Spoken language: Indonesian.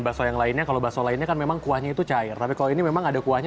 bakso yang lainnya kalau bakso lainnya kan memang kuahnya itu cair tapi kalau ini memang ada kuahnya